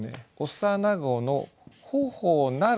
「幼子の頬なる」。